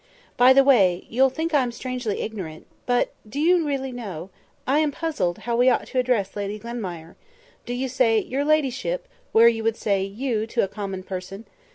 "By the way, you'll think I'm strangely ignorant; but, do you really know, I am puzzled how we ought to address Lady Glenmire. Do you say, 'Your Ladyship,' where you would say 'you' to a common person?